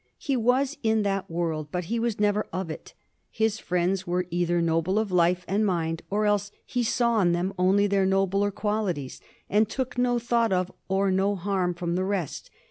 He was in that world, but he was never of it. His friends were either noble of life and mind, or else he saw in them only their nobler qualities, and took no thought of or no harm from the rest.